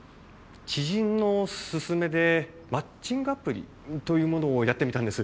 知人の勧めでマッチングアプリというものをやってみたんです。